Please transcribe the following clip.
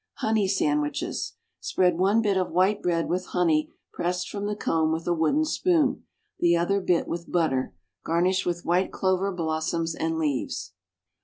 =Honey Sandwiches.= Spread one bit of white bread with honey pressed from the comb with a wooden spoon, the other bit with butter. Garnish with white clover blossoms and leaves.